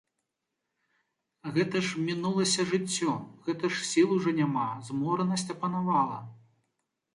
Гэта ж мінулася жыццё, гэта ж сіл ужо няма, зморанасць апанавала.